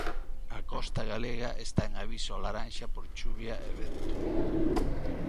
A costa galega está en aviso laranxa por chuvia e vento.